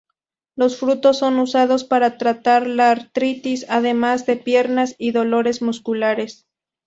Los frutos son usados para tratar las artritis, edemas de piernas, y dolores musculares.